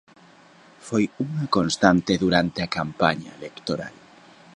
Foi unha constante durante a campaña electoral.